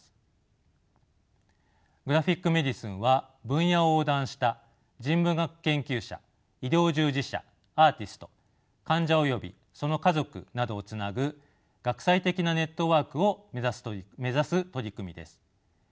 グラフィック・メディスンは分野を横断した人文学研究者医療従事者アーティスト患者およびその家族などをつなぐ学際的なネットワークを目指す取り組みです。